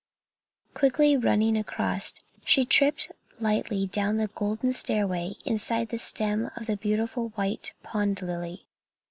Quickly running across, she tripped lightly down the golden stairway inside the stem of the beautiful white pond lily.